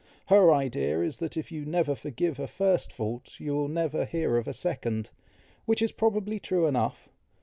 Her idea is, that if you never forgive a first fault, you will never hear of a second, which is probably true enough.